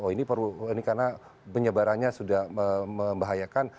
oh ini karena penyebarannya sudah membahayakan